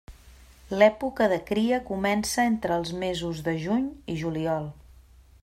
L'època de cria comença entre els mesos de juny i juliol.